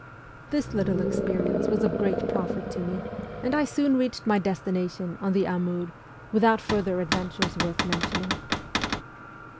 This little experience was of great profit to me, and I soon reached my destination on the Amur 220 MEMOIRS OF A REVOLUTIONIST without further adventures worth mentioning.